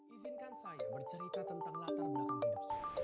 izinkan saya bercerita tentang latar belakang hidup saya